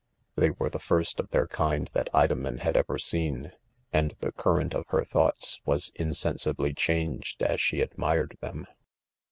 They were the first of their kind that Idomen : had ever seen,, and the current of her thoughts was insensibly changed as she ad mired them.